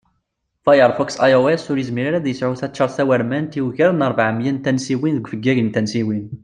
Firefox iOS ur yizmir ara ad yesεu taččart tawurmant i ugar n rbeɛ miyya n tansiwin deg ufeggag n tansiwin